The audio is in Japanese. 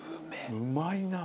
うまいなあ。